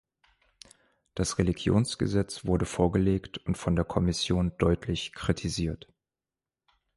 Das Religionsgesetz wurde vorgelegt und von der Kommission deutlich kritisiert.